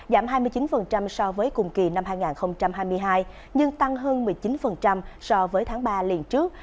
giảm hai mươi chín so với cùng kỳ năm hai nghìn hai mươi hai nhưng tăng hơn một mươi chín so với tháng ba liền trước